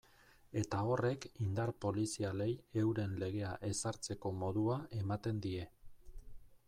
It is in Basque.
Eta horrek indar polizialei euren legea ezartzeko modua ematen die.